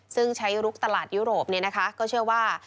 ซึ่งใช้ลุกตลาดยุโรปเนี่ยนะคะก็เชื่อว่า